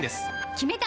決めた！